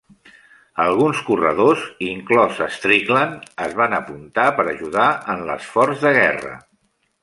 Alguns corredors, inclòs Strickland, es van apunta per ajudar en l'esforç de guerra.